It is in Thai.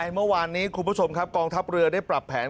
เมื่อวานนี้คุณผู้ชมครับกองทัพเรือได้ปรับแผน